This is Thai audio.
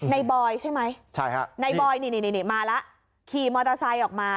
บอยใช่ไหมในบอยนี่มาแล้วขี่มอเตอร์ไซค์ออกมา